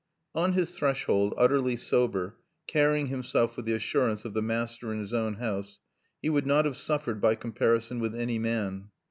On his threshold, utterly sober, carrying himself with the assurance of the master in his own house, he would not have suffered by comparison with any man.